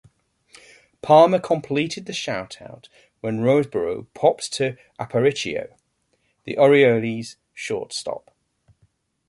Palmer completed the shutout when Roseboro popped to Aparicio, the Orioles' shortstop.